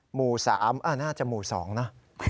หมู่สามน่าจะหมู่สองนะ